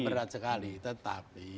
berat sekali tetapi